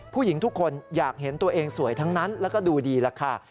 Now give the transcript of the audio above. ผู้หญิงทุกคนอยากเห็นตัวเองสวยทั้งนั้นแล้วก็ดูดีล่ะค่ะ